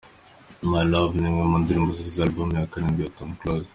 My Love’, ni imwe mu ndirimbo zigize album ya karindwi ya Tom Close.